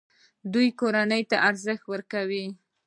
دوی کورنۍ ته ارزښت ورکوي.